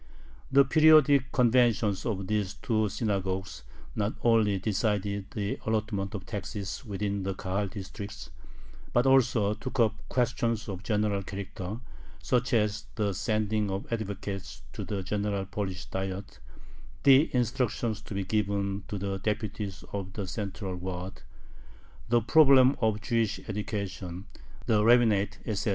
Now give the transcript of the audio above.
The periodic conventions of these two "synagogues" not only decided the allotment of taxes within the Kahal districts, but also took up questions of a general character, such as the sending of advocates to the general Polish Diet, the instructions to be given to the deputies of the central Waads, the problem of Jewish education, the rabbinate, etc.